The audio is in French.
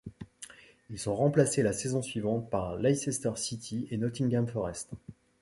Ils sont remplacés la saison suivante par Leicester City et Nottingham Forest.